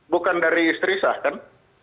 bukan dari istri sah kan